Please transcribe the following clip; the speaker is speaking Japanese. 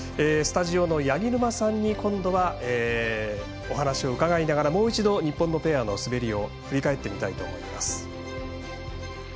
スタジオの八木沼さんに今度はお話を伺いながらもう一度、日本のペアの滑りを振り返ってみたいと思います。